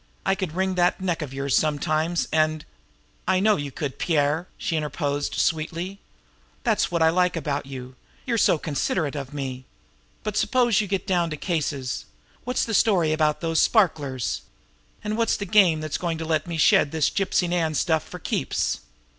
"I could wring that neck of yours sometimes, and " "I know you could, Pierre," she interposed sweetly. "That's what I like about you you're so considerate of me! But suppose you get down to cases. What's the story about those sparklers? And what's the game that's going to let me shed this Gypsy Nan stuff for keeps?"